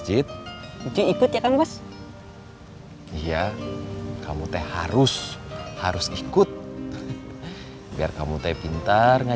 karenaperfect adalah yang terbaik di mana merepek katanya